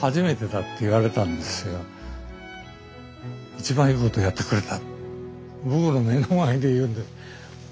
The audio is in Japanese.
「一番いいことやってくれた」。